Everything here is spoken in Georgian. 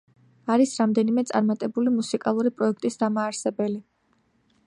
არის რამდენიმე წარმატებული მუსიკალური პროექტის დამაარსებელი.